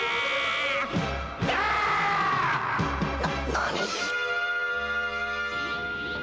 「何！？」